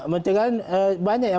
mencegahnya banyak ya